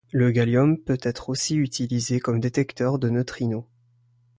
Le gallium peut être aussi utilisé comme détecteur de neutrinos.